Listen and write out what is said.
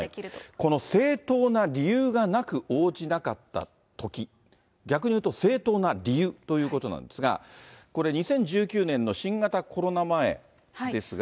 この正当な理由がなく応じなかったとき、逆に言うと、正当な理由ということなんですが、これ、２０１９年の新型コロナ前ですが。